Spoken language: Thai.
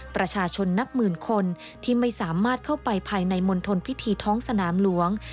ประชาชนนับหมื่นคนที่ไม่สามารถเข้าไปภายในมณฑลพิธีท้องสนามหลวง